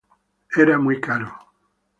Era muy caro.